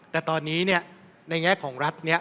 แต่ตอนนี้ในแง่ของรัฐ